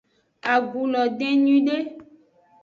Agu lo den nyuiede.